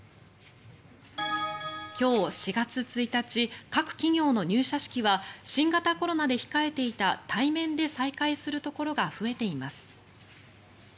今日４月１日各企業の入社式は新型コロナで控えていた対面で再開するところが増えています。